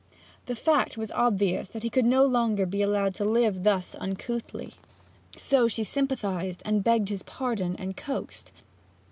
The fact was obvious that he could no longer be allowed to live thus uncouthly. So she sympathized, and begged his pardon, and coaxed.